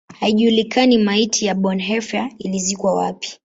Haijulikani maiti ya Bonhoeffer ilizikwa wapi.